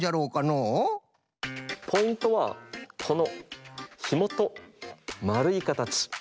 ポイントはこのひもとまるいかたち。